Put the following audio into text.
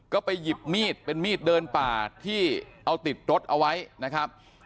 ก็ไปหยิบมีดเป็นมีดเดินป่าที่เอาติดรถเอาไว้นะครับ